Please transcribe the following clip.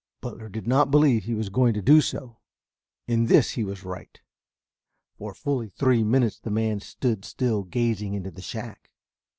Butler did not believe he was going to do so. In this he was right. For fully three minutes the man stood still gazing into the shack.